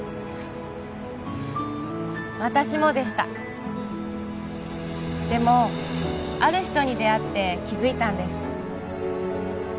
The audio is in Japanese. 私もでしたでもある人に出会って気づいたんです